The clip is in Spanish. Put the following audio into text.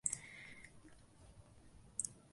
Tenía horror a las tormentas y al pecado.